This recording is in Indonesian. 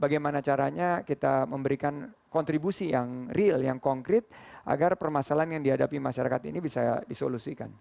bagaimana caranya kita memberikan kontribusi yang real yang konkret agar permasalahan yang dihadapi masyarakat ini bisa disolusikan